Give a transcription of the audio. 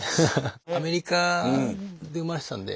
アメリカで生まれてたんで。